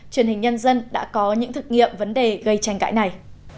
truyền hình nhân dân đã có những thực nghiệm vấn đề gây tranh cãi này